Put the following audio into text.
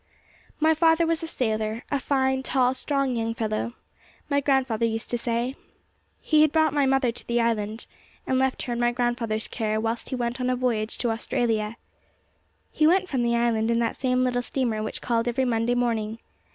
My father was a sailor, a fine, tall, strong young fellow, my grandfather used to say. He had brought my mother to the island, and left her in my grandfather's care whilst he went on a voyage to Australia. He went from the island in that same little steamer which called every Monday morning.